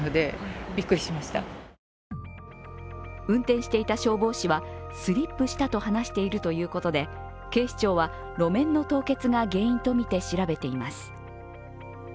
運転していた消防士は、スリップしたと話しているということで、警視庁は路面の凍結が原因とみて調べています。